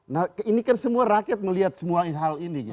nah ini kan semua rakyat melihat semua hal ini